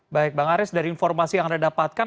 baik bang aris dari informasi yang anda dapatkan